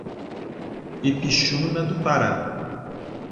Ipixuna do Pará